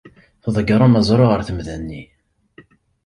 Tḍeggrem aẓru ɣer temda-nni.